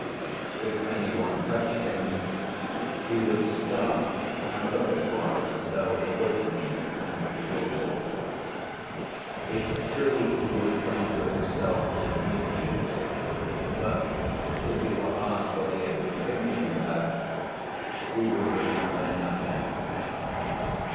If any one touched him he would start and look at one as though awakening and bewildered. It's true he would come to himself immediately; but if he were asked what he had been thinking about, he would remember nothing.